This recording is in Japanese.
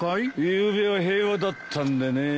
ゆうべは平和だったんでね。